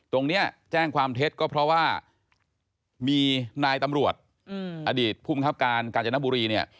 แจ้งความเท็จก็เพราะว่ามีนายตำรวจอดีตภูมิครับการกาญจนบุรีเนี่ย